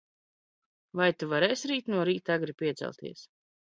Vai Tu varēsi rīt no rīta agri piecelties?